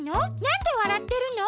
なんでわらってるの？